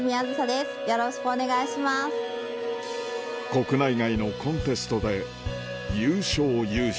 国内外のコンテストで優勝優勝